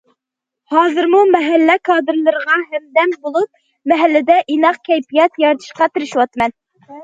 ھازىرمۇ مەھەللە كادىرلىرىغا ھەمدەم بولۇپ، مەھەللىدە ئىناق كەيپىيات يارىتىشقا تىرىشىۋاتىمەن.